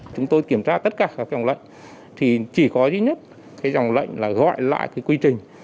chúng tôi kiểm tra tất cả các dòng lệnh thì chỉ có duy nhất cái dòng lệnh là gọi lại cái quy trình